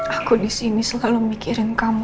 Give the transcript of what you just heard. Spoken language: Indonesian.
aku disini selalu mikirin kamu